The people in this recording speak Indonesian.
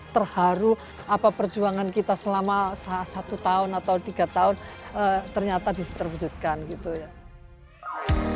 terharu apa perjuangan kita selama satu tahun atau tiga tahun ternyata bisa terwujudkan gitu ya